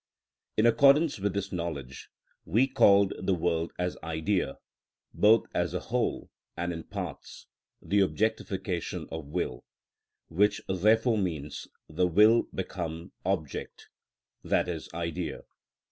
In accordance with this knowledge we called the world as idea, both as a whole and in its parts, the objectification of will, which therefore means the will become object, i.e., idea.